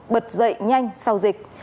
bật dậy nhanh sau dịch